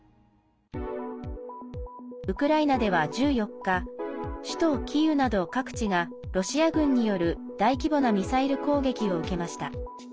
ウクライナでは１４日首都キーウなど各地がロシア軍による大規模なミサイル攻撃を受けました。